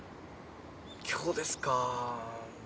今日ですか。